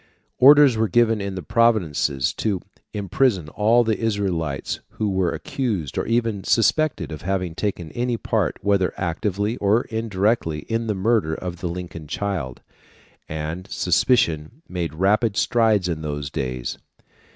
Orders were given in the provinces to imprison all the Israelites who were accused or even suspected of having taken any part, whether actively or indirectly, in the murder of the Lincoln child; and suspicion made rapid strides in those days.